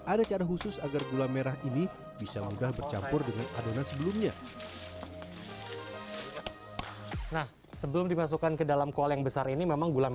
ada cara khusus agar gula merah ini bisa mudah bercampur dengan adonan sebelumnya nah sebelum dimasukkan ke dalam kol yang besar ini memang gula